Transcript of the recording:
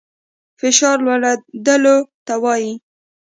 فشار لوړېدلو ته وايي.